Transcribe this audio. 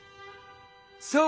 そう！